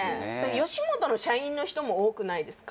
吉本の社員の人も多くないですか